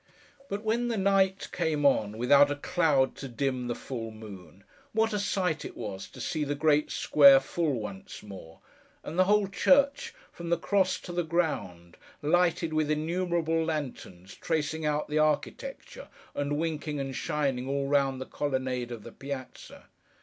But, when the night came on, without a cloud to dim the full moon, what a sight it was to see the Great Square full once more, and the whole church, from the cross to the ground, lighted with innumerable lanterns, tracing out the architecture, and winking and shining all round the colonnade of the piazza!